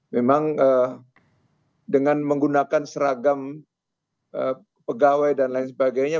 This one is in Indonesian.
memang dengan menggunakan seragam pegawai dan lain sebagainya